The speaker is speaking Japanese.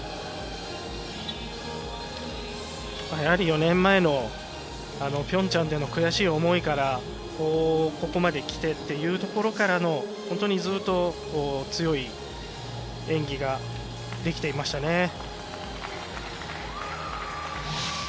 やはり４年前のあのピョンチャンでの悔しい思いからここまできてっていうところからの本当にずっと強い演技ができていましたね。